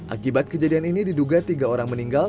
akibat kejadian ini diduga tiga orang meninggal